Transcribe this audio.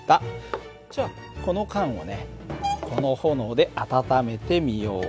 じゃあこの缶をねこの炎で温めてみよう。